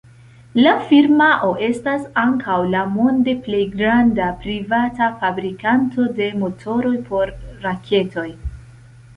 La firmao estas ankaŭ la monde plej granda privata fabrikanto de motoroj por raketoj.